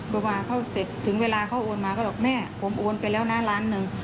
ก็ว่าเขาเสร็จถึงเวลาเขาโอนมาเขาบอกแม่ผมโอนไปแล้วนะล้านหนึ่ง